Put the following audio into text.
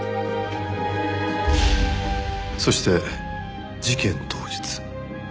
そして事件当日。